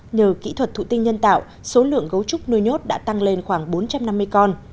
nhờ kỹ thuật thụ tinh nhân tạo số lượng gấu trúc nuôi nhốt đã tăng lên khoảng bốn trăm năm mươi con